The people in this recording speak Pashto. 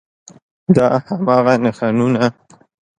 دا هماغه نښانونه